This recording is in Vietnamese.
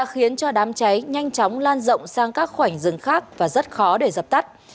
khiến cho đám cháy nhanh chóng lan rộng sang các khoảnh rừng khác và rất khó để dập tắt